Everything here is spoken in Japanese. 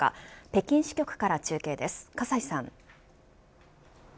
北京支局から中継です葛西さん。